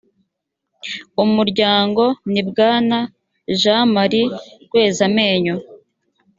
umuryango ni bwana jean marie rwezamenyo